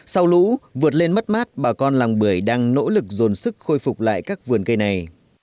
sau lũ vượt lên mất mát bà con làng bưởi đang nỗ lực dồn sức khôi phục lại các vườn cây này